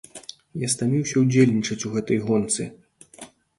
Я стаміўся ўдзельнічаць у гэтай гонцы!